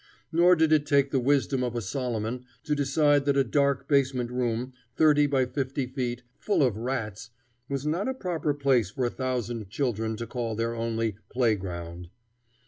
Nor did it take the wisdom of a Solomon to decide that a dark basement room, thirty by fifty feet, full of rats, was not a proper place for a thousand children to call their only "playground."